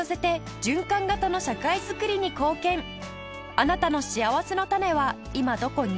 あなたのしあわせのたねは今どこに？